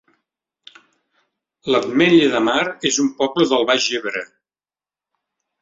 L'Ametlla de Mar es un poble del Baix Ebre